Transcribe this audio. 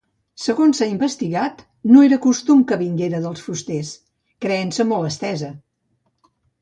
Segons s'ha investigat, no era costum que vinguera dels fusters, creença molt estesa.